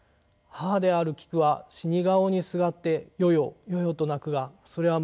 「母である菊は死に顔にすがってよよよよと泣くがそれは無理もないことである。